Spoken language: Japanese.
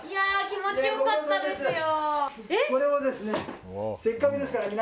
気持ち良かったですよ。